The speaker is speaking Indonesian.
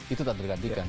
itu tak tergantikan